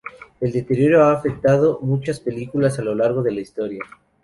El deterioro ha afectado a muchas películas a lo largo de la historia.